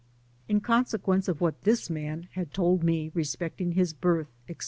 In consequence of what this man had told mc respecting his birth, &c.